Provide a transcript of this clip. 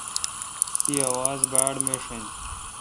تی اواز باڑمیݭ این۔